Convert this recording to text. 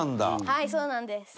はいそうなんです。